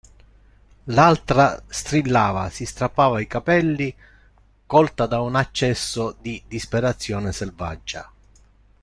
L'altra strillava, si strappava i capelli, colta da un accesso di disperazione selvaggia.